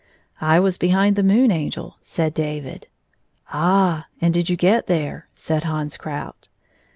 " I was behind the Moon Angel," said David. "Ah! and did you get there?" said Hans Krout.